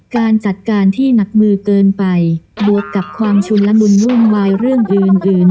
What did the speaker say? การจัดการที่หนักมือเกินไปบวกกับความชุนละมุนวุ่นวายเรื่องอื่น